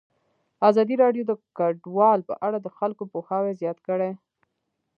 ازادي راډیو د کډوال په اړه د خلکو پوهاوی زیات کړی.